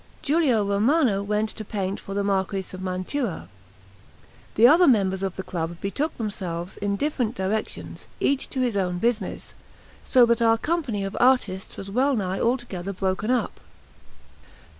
Giulio Romano went to paint for the Marquis of Mantua. The other members of the club betook themselves in different directions, each to his own business; so that our company of artists was well nigh altogether broken up.